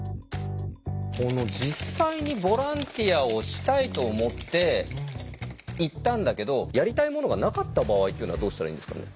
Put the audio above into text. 実際にボランティアをしたいと思って行ったんだけどやりたいものがなかった場合っていうのはどうしたらいいんですかね？